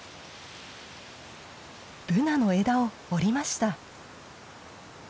ブナの枝を折りました。